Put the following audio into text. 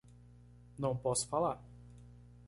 Não posso falar